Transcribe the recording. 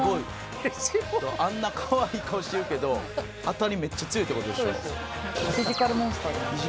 あんなかわいい顔してるけど当たりめっちゃ強いって事でしょ？